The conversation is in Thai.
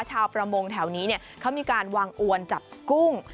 ชาวประมงแถวนี้เขามีการวางอวนจับกุ้ง